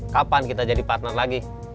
kapan kita jadi partner lagi